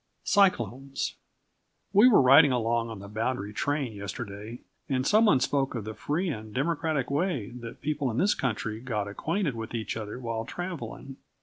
CYCLONES. We were riding along on the bounding train yesterday, and some one spoke of the free and democratic way that people in this country got acquainted with each other while traveling.